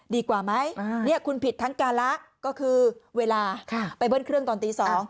ดีกว่าไหมคุณผิดทั้งการละก็คือเวลาไปเบิ้ลเครื่องตอนตี๒